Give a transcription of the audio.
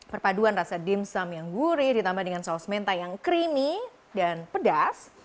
perpaduan rasa dimsum yang gurih ditambah dengan saus mentai yang creamy dan pedas